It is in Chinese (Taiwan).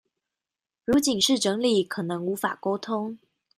如僅是整理可能無法溝通